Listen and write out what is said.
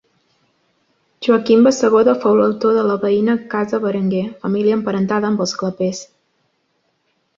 Joaquim Bassegoda fou l'autor de la veïna Casa Berenguer, família emparentada amb els Clapés.